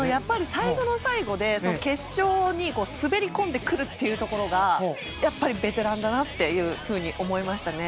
最後の最後で決勝に滑り込んでくるというところがやっぱりベテランだなと思いましたね。